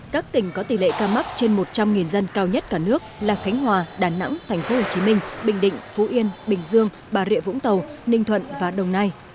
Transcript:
các tỉnh có tỷ lệ ca mắc trên một trăm linh dân cao nhất cả nước là khánh hòa đà nẵng tp hcm bình định phú yên bình dương bà rịa vũng tàu ninh thuận và đồng nai